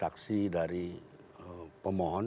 saksi dari pemohon